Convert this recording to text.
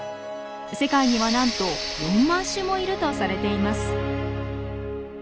世界にはなんと４万種もいるとされています。